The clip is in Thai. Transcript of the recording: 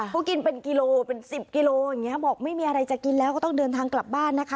เขากินเป็นกิโลเป็น๑๐กิโลอย่างนี้บอกไม่มีอะไรจะกินแล้วก็ต้องเดินทางกลับบ้านนะคะ